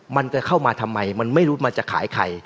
มันจะเข้ามาทำไมมันไม่รู้มันจะขายใคร